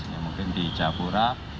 yang mungkin di capura